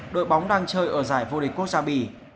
đội bóng đang chơi ở giải vô địch quốc gia bỉ